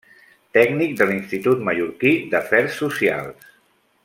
Tècnic de l'Institut Mallorquí d'Afers Socials.